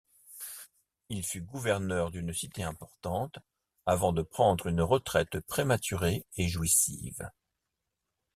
Il fut gouverneur d'une cité importante avant de prendre une retraite prématurée et jouissive.